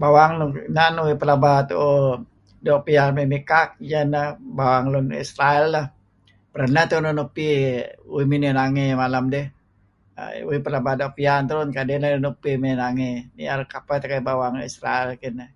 Bawang nuk inan uih pelaba tu'uh doo' pian mey mikak ieh ineh Bawang lun Israel lah. Pernah tuih nupih uih miney nangey malem dih. Uih pelaba doo' pian terun kadi' narih nupih miney nangey. Ni'er kapeh teh bawang Israel kinih.